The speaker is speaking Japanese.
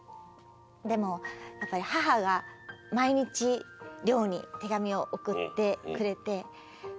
でもやっぱり母が毎日寮に手紙を送ってくれて。